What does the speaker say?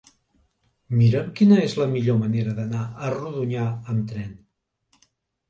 Mira'm quina és la millor manera d'anar a Rodonyà amb tren.